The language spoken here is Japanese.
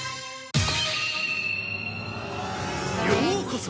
ようこそ！